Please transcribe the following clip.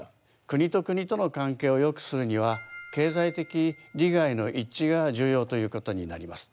国と国との関係をよくするには経済的利害の一致が重要ということになります。